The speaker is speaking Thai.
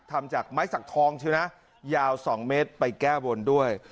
ทำจากไม้สักทองใช่ไหมยาว๒เมตรไปแก้บนด้วย